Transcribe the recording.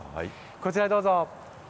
こちらどうぞ。